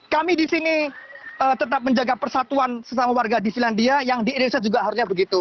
kami di sini tetap menjaga persatuan sesama warga di silandia yang di indonesia juga harusnya begitu